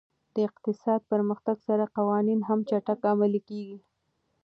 د اقتصادي پرمختګ سره قوانین هم چټک عملي کېږي.